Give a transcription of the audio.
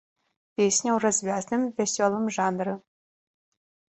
Песня ў развязным, вясёлым жанры.